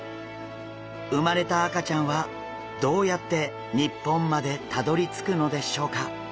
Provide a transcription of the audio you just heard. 生まれた赤ちゃんはどうやって日本までたどりつくのでしょうか？